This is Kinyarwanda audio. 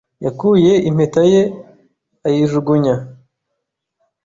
Yakuye impeta ye ayijugunya.